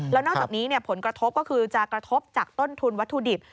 แล้วนอกจากนี้ผลกระทบก็คือจะกระทบจากต้นทุนวัตถุดิบ